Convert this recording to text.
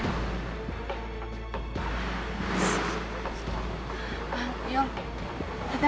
d liber halaminya